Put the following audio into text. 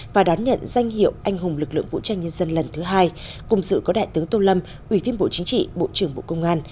và đón nhận danh hiệu anh hùng lực lượng vũ trang nhân dân lần thứ hai cùng sự có đại tướng tô lâm ubnd bộ trưởng bộ công an